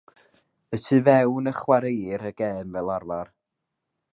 Y tu fewn y chwaraeir y gêm fel arfer.